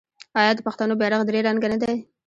آیا د پښتنو بیرغ درې رنګه نه دی؟